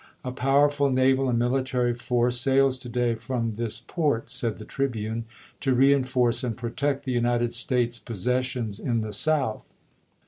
"A powerful naval and military force sails to day from this port," said " The Tribune," " to reenforce and protect the United States possessions in the South.